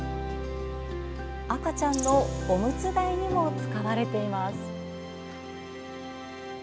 赤ちゃんのオムツ台にも使われています。